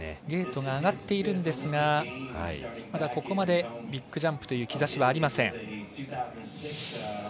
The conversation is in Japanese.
ゲートが上がっているんですがまだここまでビッグジャンプという兆しはありません。